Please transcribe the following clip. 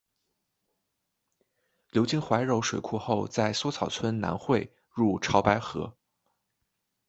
流经怀柔水库后在梭草村南汇入潮白河。